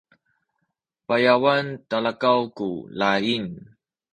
payawan talakaw ku laying